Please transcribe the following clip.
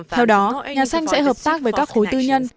theo đó nhà xanh sẽ hợp tác với các khối tư nhân